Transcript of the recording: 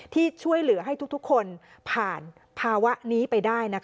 ที่ช่วยเหลือให้ทุกคนผ่านภาวะนี้ไปได้